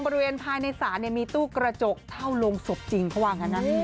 บริเวณภายในศาลมีตู้กระจกเท่าโรงศพจริงเขาว่างั้นนะ